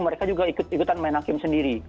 mereka juga ikut ikutan main hakim sendiri